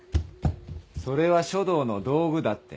それは書道の道具だって。